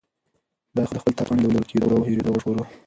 باید د خپل تاریخ پاڼې له ورکېدو او هېرېدو وژغورو.